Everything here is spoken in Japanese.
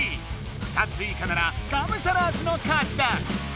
２ついかならガムシャラーズの勝ちだ！